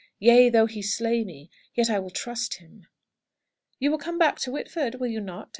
'Yea, though He slay me, yet will I trust Him.'" "You will come back to Whitford, will you not?"